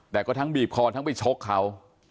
แต่ก็ทั้งบีบคอทั้งไปชกเขา